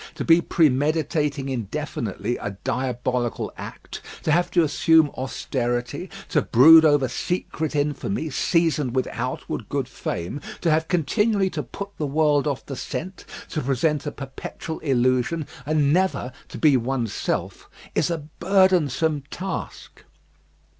To be premeditating indefinitely a diabolical act, to have to assume austerity; to brood over secret infamy seasoned with outward good fame; to have continually to put the world off the scent; to present a perpetual illusion, and never to be one's self is a burdensome task.